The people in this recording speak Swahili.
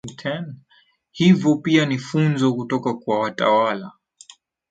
hivo pia ni funzo kutoka kwa watawala